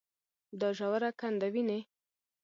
دا ژوره کنده وينې.